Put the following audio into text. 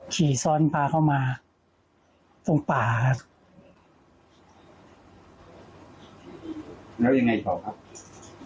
ขี่ซ้อนพาเข้ามาตรงป่าครับ